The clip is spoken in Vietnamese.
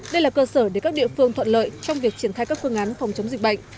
đây là cơ sở để các địa phương thuận lợi trong việc triển khai các phương án phòng chống dịch bệnh